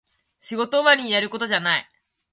仕事終わりにやることじゃない